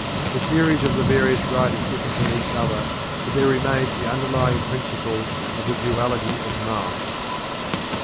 The theories of the various writers differ from each other, but there remains the underlying principle of "the duality of mind."